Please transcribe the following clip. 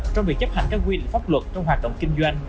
trong việc chấp hành các quy định pháp luật trong hoạt động kinh doanh